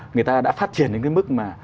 người ta đã phát triển đến cái mức mà